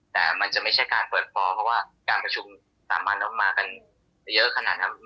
แต่มันจะไม่ใช่การเปิดฟ้องเพราะว่าการประชุมสามัญแล้วมากันเยอะขนาดนั้น